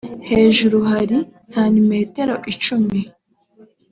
hejuru hari sentimetero icumi.